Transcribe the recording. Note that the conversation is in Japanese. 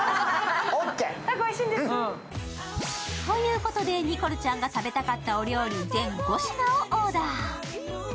ということでニコルちゃんが食べたかったお料理全５品をオーダー。